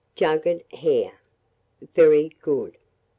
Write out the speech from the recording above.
JUGGED HARE. (Very Good.)